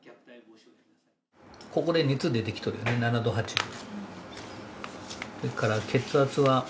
ここで熱出てきとるね、７度８分。